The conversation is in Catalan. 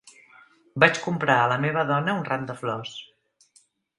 Vaig comprar a la meva dona un ram de flors.